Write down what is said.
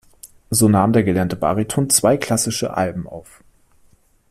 So nahm der gelernte Bariton zwei klassische Alben auf.